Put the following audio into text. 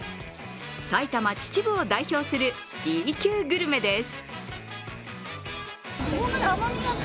埼玉・秩父を代表するＢ級グルメです。